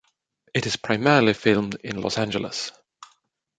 It is primarily filmed in Los Angeles.